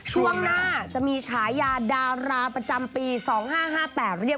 ช่วงหน้าจะมีฉายาดาราประจำปี๒๕๕๘เรียบ